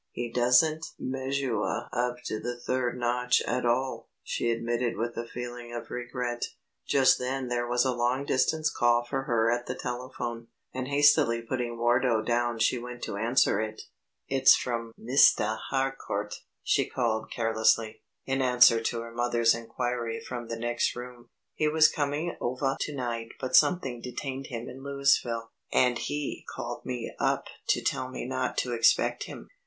"He doesn't measuah up to the third notch at all," she admitted with a feeling of regret. Just then there was a long distance call for her at the telephone, and hastily putting Wardo down she went to answer it. "It's from Mistah Harcourt," she called carelessly, in answer to her mother's inquiry from the next room. "He was coming ovah to night but something detained him in Louisville, and he called me up to tell me not to expect him."